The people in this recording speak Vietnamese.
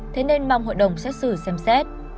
thế nên mong hội đồng xét xử xem xét